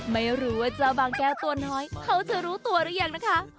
ไม่รู้ว่าเจ้าบางแก้วตัวน้อยเขาจะรู้ตัวหรือยังนะคะ